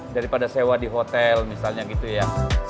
daripada sewa di hotel misalnya gitu ya